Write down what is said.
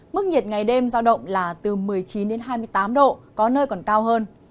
mức nhiệt ngày đêm giao động là từ một mươi chín hai mươi tám độ có nơi còn cao hơn